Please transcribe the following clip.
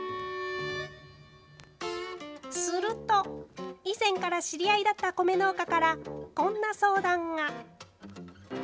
すると以前から知り合いだった米農家からこんな相談が。